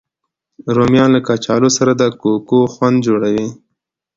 رومیان له کچالو سره د کوکو خوند جوړوي